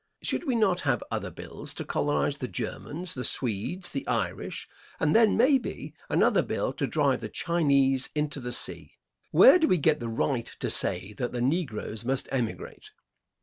Should we not have other bills to colonize the Germans, the Swedes, the Irish, and then, may be, another bill to drive the Chinese into the sea? Where do we get the right to say that the negroes must emigrate?